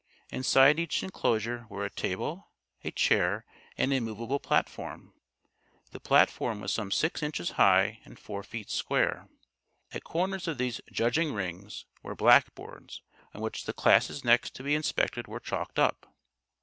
Inside each inclosure were a table, a chair and a movable platform. The platform was some six inches high and four feet square. At corners of these "judging rings" were blackboards on which the classes next to be inspected were chalked up.